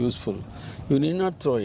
anda tidak perlu menyerahnya